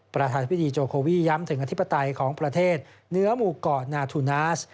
ประธานธิบดีโจโควีย้ำถึงอธิปไตยของประเทศเนื้อหมู่เกาะนาทูนาส